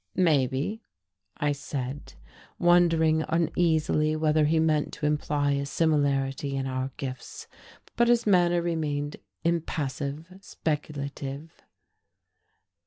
"Maybe," I said, wondering uneasily whether he meant to imply a similarity in our gifts. But his manner remained impassive, speculative.